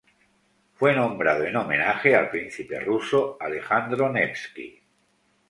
Fue nombrado en homenaje al príncipe ruso Alejandro Nevski.